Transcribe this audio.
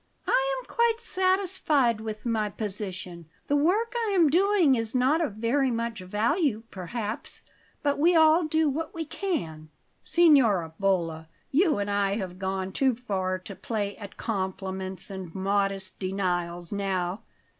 "I am quite satisfied with my position. The work I am doing is not of very much value, perhaps, but we all do what we can." "Signora Bolla, you and I have gone too far to play at compliments and modest denials now.